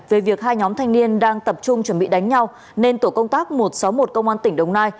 về việc hai nhóm thanh niên đang tập trung chuẩn bị đánh nhau nên tổ công tác một trăm sáu mươi một công an tỉnh đồng nai